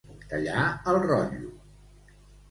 Tallar el rotllo.